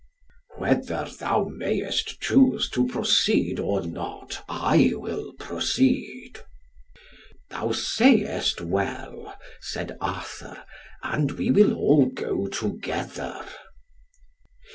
"Whether thou mayest choose to proceed or not, I will proceed." "Thou sayest well," said Arthur, "and we will go all together."